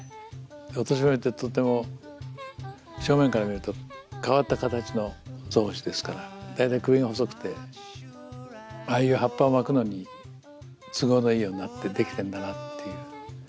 オトシブミってとっても正面から見ると変わった形のゾウムシですから大体首が細くてああいう葉っぱを巻くのに都合のいいようになってできてるんだなっていう。